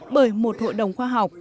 bởi một hội đồng khoa học